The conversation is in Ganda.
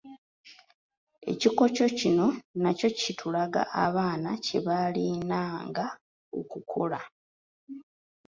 Ekikokyo kino nakyo kitulaga abaana kye baalinanga okukola.